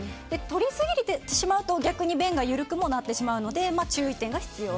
取りすぎてしまうと逆に便が緩くもなってしまうので注意点が必要。